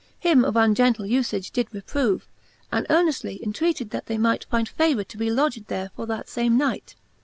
Him of ungentle ufage did reprove And earneftly entreated, that they might Finde favour to be lodged there for that lame night.